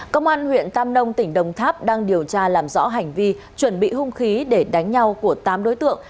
công an huyện tam nông tỉnh đồng tháp đang điều tra làm rõ hành vi chuẩn bị hung khí để đánh nhau của tám đối tượng